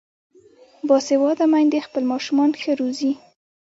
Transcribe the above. باسواده میندې خپل ماشومان ښه روزي.